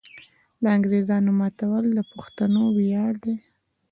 د انګریزامو ماتول د پښتنو ویاړ دی.